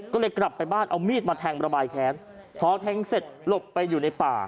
ก็เลยกลับไปบ้านเอามีดมาแทงระบายแค้นพอแทงเสร็จหลบไปอยู่ในป่า